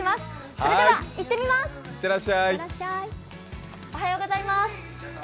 それでは、行ってみます！